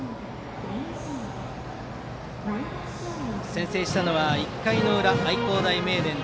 先制したのは１回裏の愛工大名電。